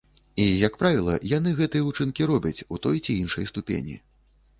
І, як правіла, яны гэтыя ўчынкі робяць, у той ці іншай ступені.